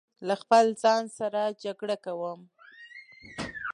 له خپل ځان سره جګړه کوم